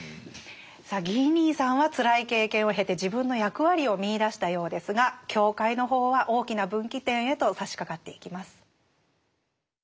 さあギー兄さんはつらい経験を経て自分の役割を見いだしたようですが教会の方は大きな分岐点へとさしかかっていきます。